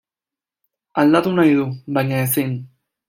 Aldatu nahi du, baina ezin.